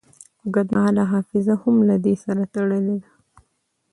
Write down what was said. اوږدمهاله حافظه هم له دې سره تړلې ده.